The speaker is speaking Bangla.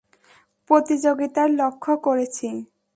প্রতিযোগিতায় লক্ষ্য করেছি।